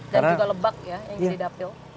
dan juga lebak ya yang jadi dapil